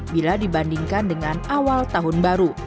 bila dibandingkan dengan awal tahun baru